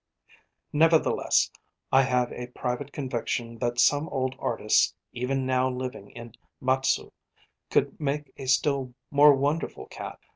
Sec. 16 Nevertheless I have a private conviction that some old artists even now living in Matsue could make a still more wonderful cat.